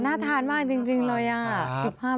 น่าทานมากจริงเลยอ่ะ